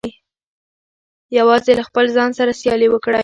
یوازې له خپل ځان سره سیالي وکړئ.